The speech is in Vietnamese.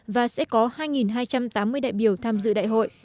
và sẽ có hai hai trăm tám mươi đại biểu tham dự đại hội